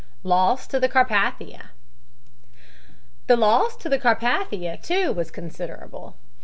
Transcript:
LOSS TO THE CARPATHIA The loss to the Carpathia, too, was considerable.